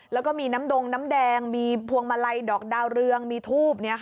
แล้วก็มีน้ำดงน้ำแดงมีพวงมาลัยดอกดาวเรืองมีทูบ